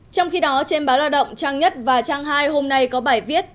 trong khi đó trên báo lao động trang nhất và trang hai hôm nay có bài viết